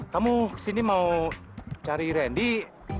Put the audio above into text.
kamu kesini mau cari randy